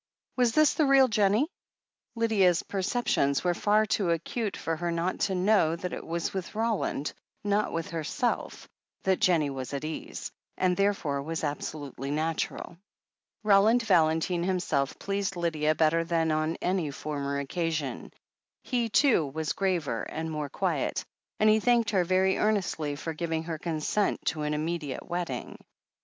Was this the real Jennie ? Lydia's perceptions were far too acute for her not to know that it was with Roland, not with herself, that Jennie was at ease, and therefore was absolutely natural. Roland Valentine himself pleased Lydia better than on any former occasion. He, too, was graver and more quiet, and he thanked her very earnestly for giving her consent to an immediate wedding.